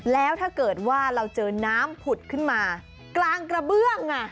แล้วถ้าเกิดว่าเราเจอน้ำผุดขึ้นมากลางกระเบื้อง